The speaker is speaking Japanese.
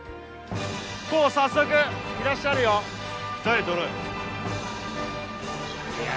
コウ早速いらっしゃるよ。いや。